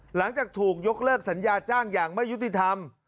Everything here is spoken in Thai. หลังจากถูกยกเลิกสัญญาจ้างอย่างไม่ยุติธรรม